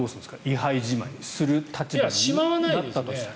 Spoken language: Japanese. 位牌じまいする立場になったとしたら。